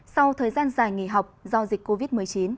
sau thời gian dài nghỉ học do dịch covid một mươi chín